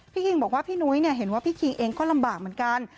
คิงบอกว่าพี่นุ้ยเห็นว่าพี่คิงเองก็ลำบากเหมือนกัน